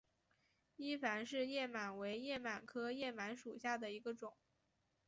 伊凡氏叶螨为叶螨科叶螨属下的一个种。